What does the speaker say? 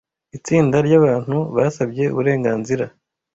Itsinda ryabantu basabye uburenganzira